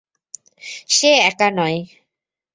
সে একা নয়।